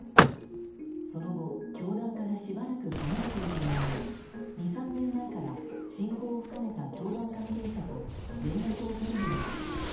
その後、教団からしばらく離れていたものの２３年前から親交を深めた教団関係者と連絡を取るように。